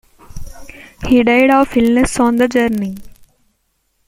He died of illness on the journey.